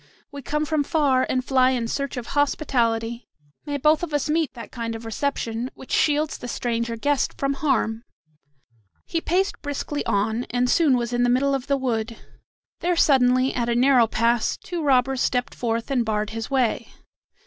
We come from far and fly in search of hospitality. May both of us meet that kind reception which shields the stranger guest from harm!" He paced briskly on, and soon was in the middle of the wood. There suddenly, at a narrow pass, two robbers stepped forth and barred his way.